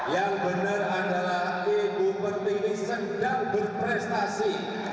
yang benar adalah ibu pertiwi sedang berprestasi